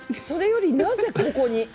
それよりなぜここに？